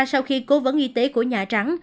sau khi cố vấn y tế của nhà trắng